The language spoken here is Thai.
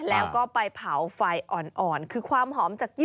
แต่ว่าก่อนอื่นเราต้องปรุงรสให้เสร็จเรียบร้อย